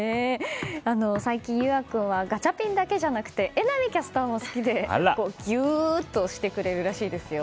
最近、倖和君はガチャピンだけじゃなくて榎並キャスターも好きでぎゅーっとしてくれるらしいですよ。